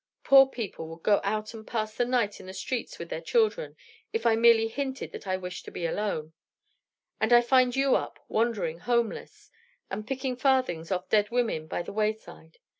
Poor people would go out and pass the night in the streets with their children, if I merely hinted that I wished to be alone. And I find you up, wandering homeless, and picking farthings off dead women by the wayside!